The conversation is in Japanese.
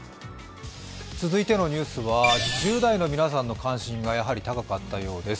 続いてのニュースは１０代の皆さんの関心が高かったようです。